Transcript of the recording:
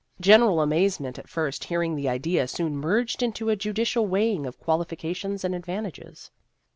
General amaze ment at first hearing the idea soon merged into a judicial weighing of quali fications and advantages.